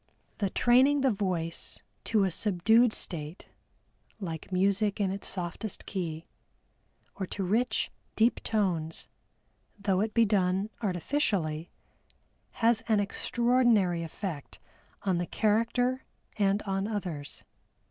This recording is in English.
The training the voice to a subdued state "like music in its softest key," or to rich, deep tones, though it be done artificially, has an extraordinary effect on the character and on others.